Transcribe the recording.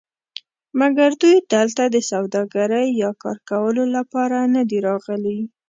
مګر دوی دلته د سوداګرۍ یا کار کولو لپاره ندي راغلي.